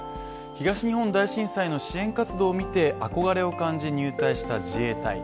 東日本大震災の支援活動を見て憧れを感じ、入隊した自衛隊。